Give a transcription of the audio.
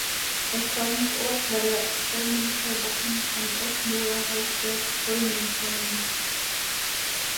Austragungsort war der Holmenkollbakken am Osloer Hausberg Holmenkollen.